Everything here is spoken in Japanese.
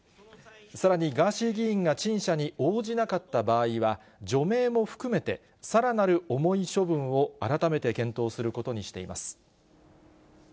さらにガーシー議員が陳謝に応じなかった場合は、除名も含めて、さらなる重い処分を改めて検討することにしています。